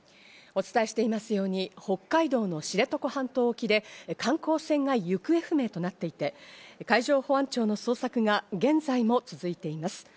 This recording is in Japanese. お伝えしていますように北海道の知床半島沖で観光船が行方不明となっていて、海上保安庁の捜索が現在も続いています。